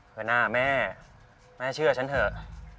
เพื่อหน้าแม่แม่เชื่อฉันเถอะ